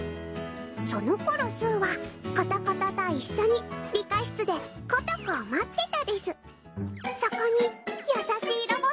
そのころすうはコトコトと一緒に理科室でことこを待ってたです。